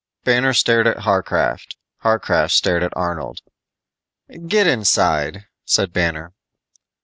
Banner stared at Warcraft, Warcraft stared at Arnold. "Get inside," said Banner.